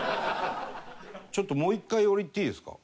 ちょっともう１回俺いっていいですか？